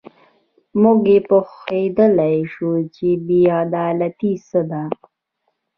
موږ پوهېدلای شو چې بې عدالتي څه ده.